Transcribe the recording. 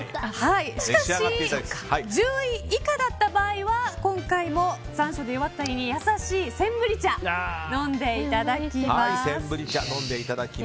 しかし、１０位以下だった場合は今回も残暑で弱った胃に優しいセンブリ茶を飲んでいただきます。